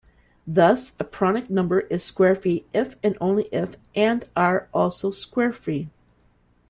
Thus a pronic number is squarefree if and only if and are also squarefree.